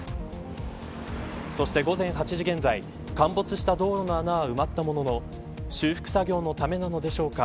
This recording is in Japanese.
そして午前８時現在陥没した道路の穴は埋まったものの修復作業のためなのでしょうか。